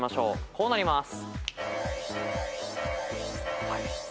こうなります。